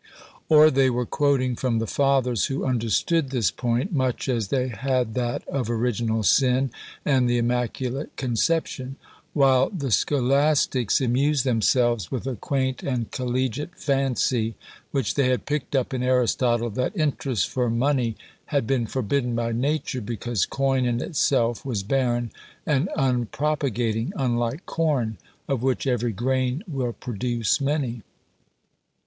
Or they were quoting from the Fathers, who understood this point, much as they had that of "original sin," and "the immaculate conception;" while the scholastics amused themselves with a quaint and collegiate fancy which they had picked up in Aristotle, that interest for money had been forbidden by nature, because coin in itself was barren and unpropagating, unlike corn, of which every grain will produce many.